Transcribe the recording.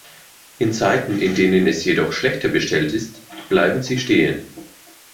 In Zeiten, in denen es jedoch schlechter bestellt ist, bleiben sie stehen.